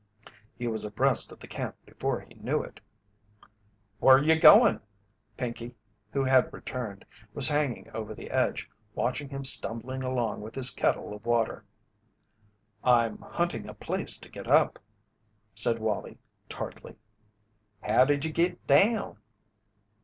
He was abreast of the camp before he knew it. "Whur you goin'?" Pinkey, who had returned, was hanging over the edge watching him stumbling along with his kettle of water. "I'm hunting a place to get up," said Wallie, tartly. "How did you git down?"